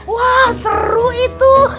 wah seru itu